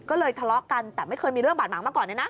ก็เลยทะเลาะกันแต่ไม่เคยมีเรื่องบาดหมางมาก่อนเลยนะ